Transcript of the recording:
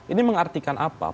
ini mengartikan apa